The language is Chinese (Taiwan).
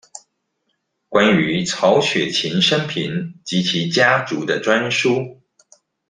關於曹雪芹生平及其家族的專書